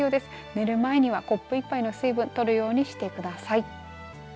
寝る前にはコップ１杯の水分とるようにしてください。